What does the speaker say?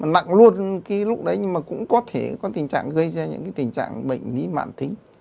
nặng luôn cái lúc đấy nhưng mà cũng có thể có tình trạng gây ra những cái tình trạng bệnh lý mạng tính